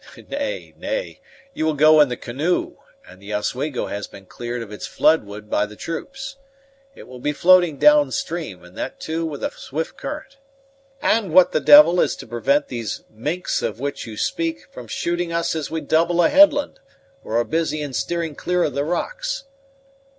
"Nay, nay, you will go in the canoe, and the Oswego has been cleared of its flood wood by the troops. It will be floating down stream, and that, too, with a swift current." "And what the devil is to prevent these minks of which you speak from shooting us as we double a headland, or are busy in steering clear of the rocks?"